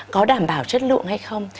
có đảm bảo chất lượng hay không